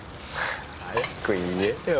早く言えよ。